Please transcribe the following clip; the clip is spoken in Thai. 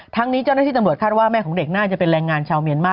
ทั้งนี้เจ้าหน้าที่ตำรวจคาดว่าแม่ของเด็กน่าจะเป็นแรงงานชาวเมียนมา